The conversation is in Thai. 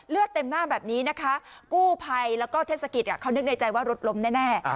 เต็มหน้าแบบนี้นะคะกู้ภัยแล้วก็เทศกิจเขานึกในใจว่ารถล้มแน่